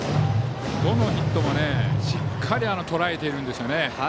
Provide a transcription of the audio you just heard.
どのヒットもしっかりとらえてるんですよね。